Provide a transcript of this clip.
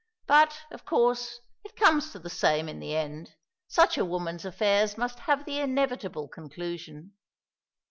But, of course, it comes to the same in the end. Such a woman's affairs must have the inevitable conclusion.